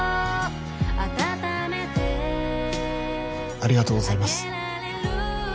ありがとうございます